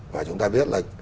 và chúng ta biết là